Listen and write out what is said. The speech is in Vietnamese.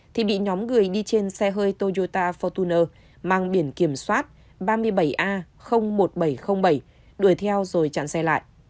thì bị nhóm người đi trên xe hơi toyota fortuner mang biển kiểm soát ba mươi bảy a một nghìn bảy trăm linh bảy đuổi theo rồi chặn xe lại